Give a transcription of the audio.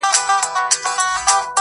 زه مي ژاړمه د تېر ژوندون کلونه!.